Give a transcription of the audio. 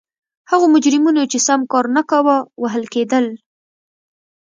هغو مجرمینو چې سم کار نه کاوه وهل کېدل.